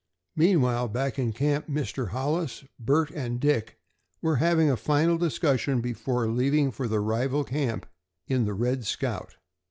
Meanwhile, back in camp Mr. Hollis, Bert, and Dick, were having a final discussion before leaving for the rival camp in the "Red Scout."